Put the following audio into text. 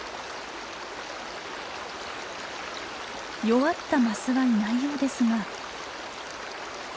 弱ったマスはいないようですが。